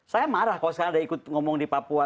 saya marah kalau sekarang ada ikut ngomong di papua